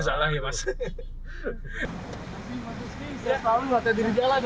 masih masih sih udah setahun nggak tahan diri jalan ya